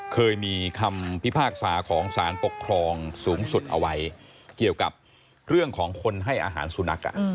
เคยมีคำพิพากษาของสารปกครองสูงสุดเอาไว้เกี่ยวกับเรื่องของคนให้อาหารสุนัข